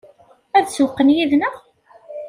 Ad sewwqen yid-neɣ?